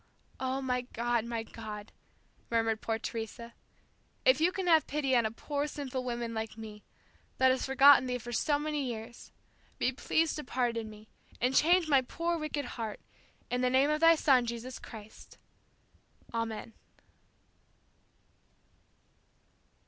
"Oh, my God, my God," murmured poor Teresa. "If you can have pity on a poor sinful woman like me, that has forgotten Thee for so many years, be pleased to pardon me, and change my poor wicked heart, in the name of Thy Son, Jesus Christ, Amen."